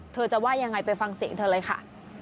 เธอจะว่ายังไงไปฟังเสียงเธอเลยค่ะ